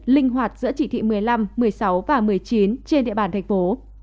linh hoạt giữa chỉ thị một mươi năm một mươi sáu và một mươi chín trên địa bàn thành phố